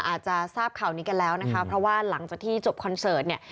อาจจะทราบข่าวนี้กันแล้วนะคะเพราะว่าหลังจากที่จบคอนเสิร์ตเนี่ย